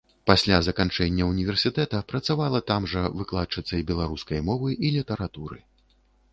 Пасля заканчэння ўніверсітэта працавала там жа выкладчыцай беларускай мовы і літаратуры.